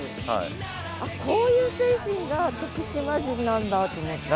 こういう精神が徳島人なんだと思って。